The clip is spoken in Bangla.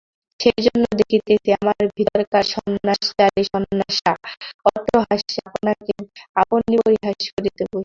সেইজন্যেই দেখিতেছি, আমার ভিতরকার শ্মশানচারী সন্ন্যাসীটা অট্টহাস্যে আপনাকে আপনি পরিহাস করিতে বসিয়াছে।